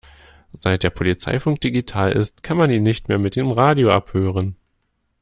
Seit der Polizeifunk digital ist, kann man ihn nicht mehr mit dem Radio abhören.